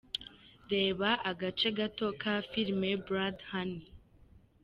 Reba agace gato ka film Blood Honey.